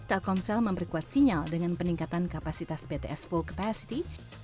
telkomsel memperkuat sinyal dengan peningkatan kapasitas bts full capacity